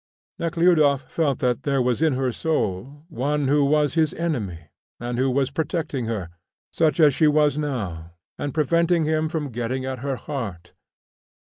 Nekhludoff felt that there was in her soul one who was his enemy and who was protecting her, such as she was now, and preventing him from getting at her heart.